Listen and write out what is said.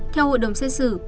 theo hội đồng xét xử